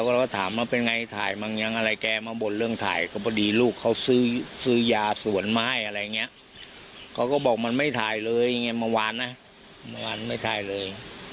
วงพ่อเจ้าท่านเมื่อทุกวัลทมีมนภาพที่กรีญโปรดอยู่ซึ่งเขาก็ก็เรียกคุณอาจารย์